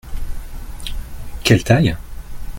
Quelle taille ?